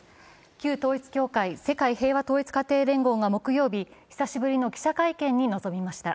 旧統一教会＝世界平和統一家庭連合が木曜日、久しぶりの記者会見に臨みました。